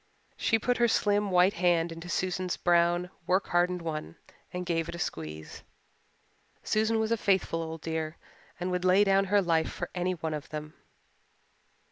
She put her slim white hand into Susan's brown, work hardened one and gave it a squeeze. Susan was a faithful old dear and would lay down her life for any one of them.